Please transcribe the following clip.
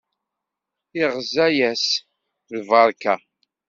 Iɣza-yas lberka.